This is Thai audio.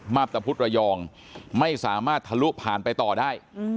มาพตะพุทธระยองไม่สามารถทะลุผ่านไปต่อได้